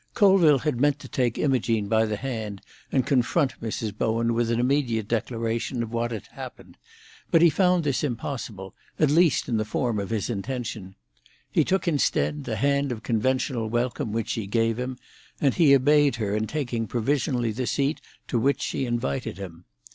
Colville had meant to take Imogene by the hand and confront Mrs. Bowen with an immediate declaration of what had happened; but he found this impossible, at least in the form of his intention; he took, instead, the hand of conventional welcome which she gave him, and he obeyed her in taking provisionally the seat to which she invited him.